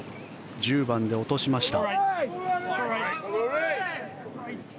１０番で落としました。